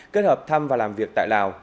kết hợp thăm và làm việc tại lào